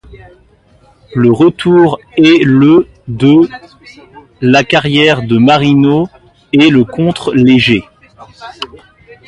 Le retour est le de la carrière de Marino et le contre les Jets.